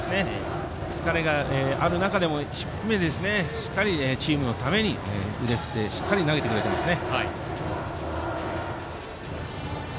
疲れがある中でもしっかりチームのために腕を振って投げてくれています。